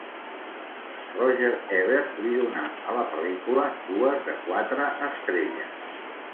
Roger Ebert li dona a la pel·lícula dues de quatre estrelles.